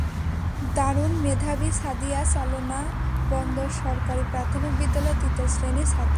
দারুণ মেধাবী সাদিয়া চালনা বন্দর সরকারি প্রাথমিক বিদ্যালয়ের তৃতীয় শ্রেণির ছাত্রী।